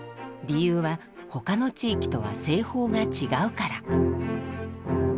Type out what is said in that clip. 理由は他の地域とは製法が違うから。